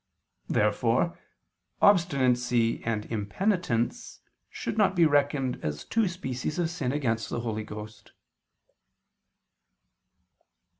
Therefore obstinacy and impenitence should not be reckoned as two species of sin against the Holy Ghost.